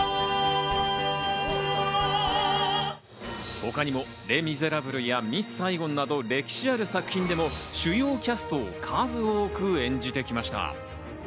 他にも『レ・ミゼラブル』や『ミス・サイゴン』など、歴史ある作品でも主要キャストを数多く演じてきました。